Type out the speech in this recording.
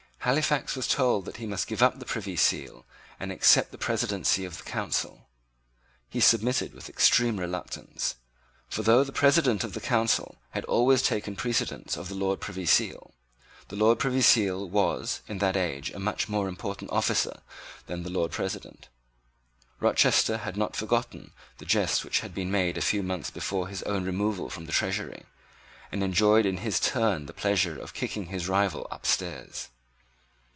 Halifax was told that he must give up the Privy seal and accept the Presidency of the Council. He submitted with extreme reluctance. For, though the President of the Council had always taken precedence of the Lord Privy Seal, the Lord Privy Seal was, in that age a much more important officer than the Lord President. Rochester had not forgotten the jest which had been made a few months before on his own removal from the Treasury, and enjoyed in his turn the pleasure of kicking his rival up stairs.